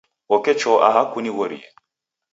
Oke choo aha kunighorie.